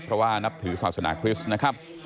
เพราะว่านับถือศาสนาคริสต์นะครับ